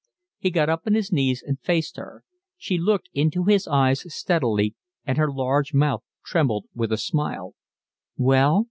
He got up on his knees and faced her. She looked into his eyes steadily, and her large mouth trembled with a smile. "Well?"